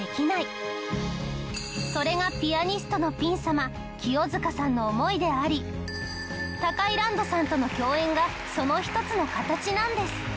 それがピアニストのピン様清塚さんの思いであり高井羅人さんとの共演がその一つの形なんです。